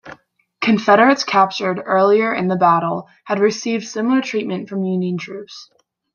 Confederates captured earlier in the battle had received similar treatment from Union troops.